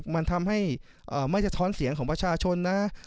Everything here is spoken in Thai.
มันทำให้ไม่สะท้อนเสียงของประชาชนนะ